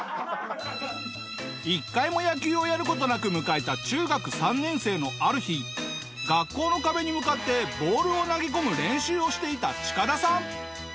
一回も野球をやる事なく迎えた中学３年生のある日学校の壁に向かってボールを投げ込む練習をしていたチカダさん。